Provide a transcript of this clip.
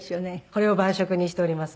これを晩食にしております。